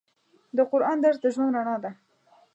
د قرآن درس د ژوند رڼا ده.